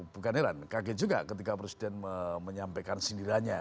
bukan heran kaget juga ketika presiden menyampaikan sindirannya